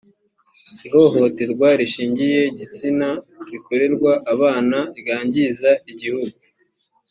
ihohoterwa rishingiye gitsina rikorerwa abana ryangiza igihugu